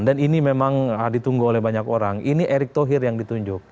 dan ini memang ditunggu oleh banyak orang ini erick thohir yang ditunjuk